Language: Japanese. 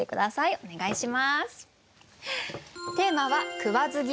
お願いします。